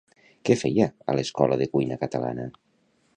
Què feia a l'Escola de Cuina Catalana?